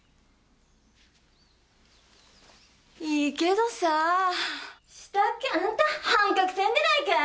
いいけどさぁしたっけあんたはんかくせえんでないかい？